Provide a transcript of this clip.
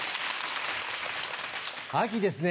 秋ですね